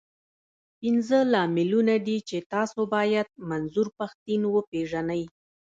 پنځه لاملونه دي، چې تاسو بايد منظور پښتين وپېژنئ.